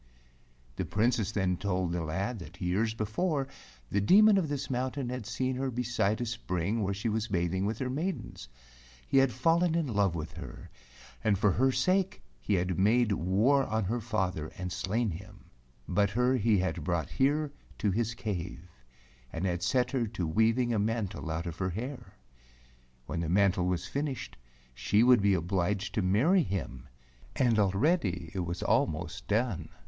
The Princess then told the lad that years be¬ fore the Demon of this mountain had seen her beside a spring where she was bathing with her maidens. He had fallen in love with her, and for her sake he had made war on her father and slain him, but her he had brought here to his cave, and had set her to weaving a mantle out of her hair. When the mantle was finished she would be obliged to marry him, and already it was almost done.